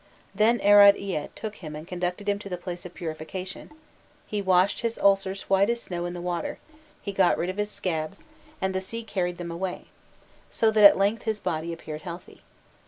Then Arad Ea took him and conducted him to the place of purification: he washed his ulcers white as snow in the water, he got rid of his scabs, and the sea carried them away, so that at length his body appeared healthy.